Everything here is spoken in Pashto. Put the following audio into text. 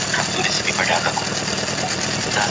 د دغه محصل په مزاج کي د څيړني ماده پیدا سوي ده.